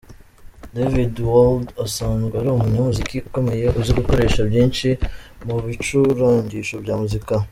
David Wald asanzwe ari umunyamuziki ukomeye uzi gukoresha byinshi mu bicurangisho bya muzika.